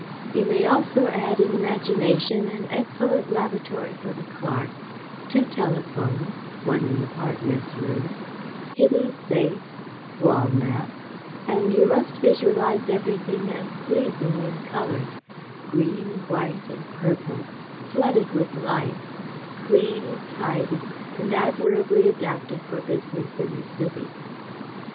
You may also add in imagination an excellent lavatory for the clerks, two telephones (one in the partners' room), hidden safes, wall maps; and you must visualize everything as pleasing in colour green, white, and purple flooded with light; clean, tidy, and admirably adapted for business in the City.